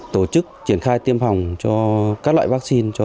tổ chức triển khai tiêm phòng cho các loại vaccine